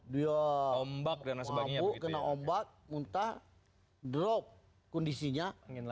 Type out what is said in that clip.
dia mampu kena ombak muntah drop kondisinya